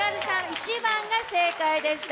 １番が正解でした。